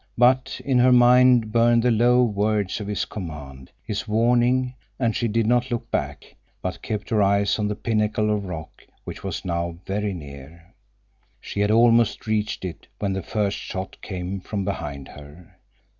But in her mind burned the low words of his command, his warning, and she did not look back, but kept her eyes on the pinnacle of rock, which was now very near. She had almost reached it when the first shot came from behind her.